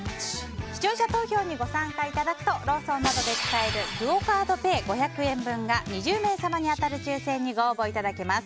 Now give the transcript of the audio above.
視聴者投票にご参加いただくとローソンなどでお使いいただけるクオ・カードペイ５００円分が２０名様に当たる抽選にご応募いただけます。